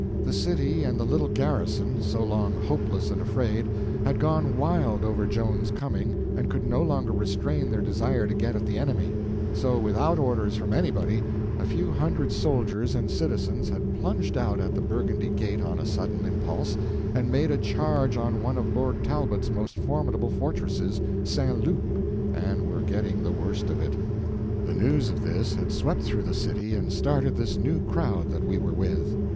The city and the little garrison, so long hopeless and afraid, had gone wild over Joan's coming, and could no longer restrain their desire to get at the enemy; so, without orders from anybody, a few hundred soldiers and citizens had plunged out at the Burgundy gate on a sudden impulse and made a charge on one of Lord Talbot's most formidable fortresses—St. Loup—and were getting the worst of it. The news of this had swept through the city and started this new crowd that we were with.